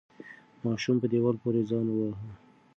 ماشوم په دیوال پورې ځان وواهه.